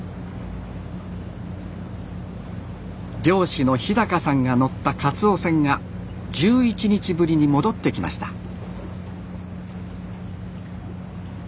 漁師の日さんが乗ったカツオ船が１１日ぶりに戻ってきました。